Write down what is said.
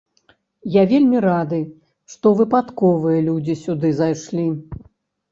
Я вельмі рады, што выпадковыя людзі сюды зайшлі.